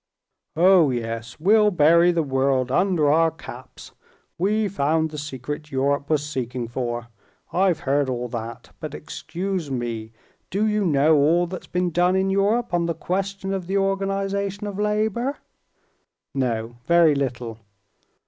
"Oh, yes; we'll bury the world under our caps! We've found the secret Europe was seeking for! I've heard all that; but, excuse me, do you know all that's been done in Europe on the question of the organization of labor?" "No, very little."